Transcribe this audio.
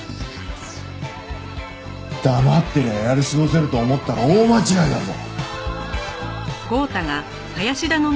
黙ってりゃやり過ごせると思ったら大間違いだぞ。